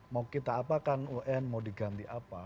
mau kita apa kan un mau diganti apa